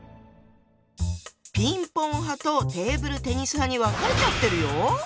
ピンポン派とテーブルテニス派に分かれちゃってるよ。